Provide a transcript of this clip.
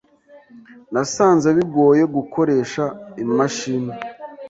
Nasanze bigoye gukoresha imashini.